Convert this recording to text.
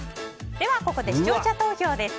ここで視聴者投票です。